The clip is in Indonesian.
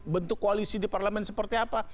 bentuk koalisi di parlemen seperti apa